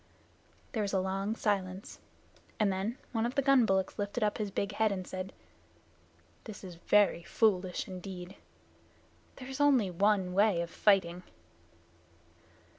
There was a long silence, and then one of the gun bullocks lifted up his big head and said, "This is very foolish indeed. There is only one way of fighting."